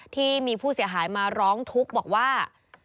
ที่มีผู้เสียหายมาร้องทุกข์บอกว่า